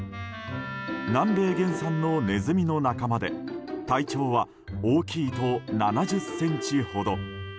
南米原産のネズミの仲間で体長は大きいと７０ｃｍほど。